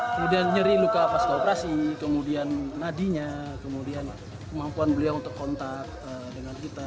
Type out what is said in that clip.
kemudian nyeri luka pas kooperasi kemudian nadinya kemudian kemampuan beliau untuk kontak dengan kita